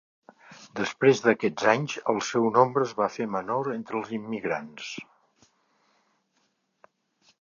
Després d'aquests anys el seu nombre es va fer menor entre els immigrants.